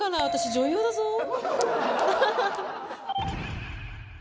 私、女優だぞ？